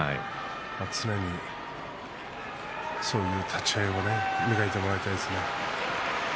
常にそういう立ち合いを磨いてもらいたいですね。